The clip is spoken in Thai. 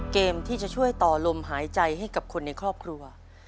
เกมที่จะช่วยต่อลมหายใจให้กับคนในครอบครัว